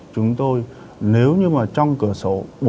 chúng tôi nếu như mà trong cửa sổ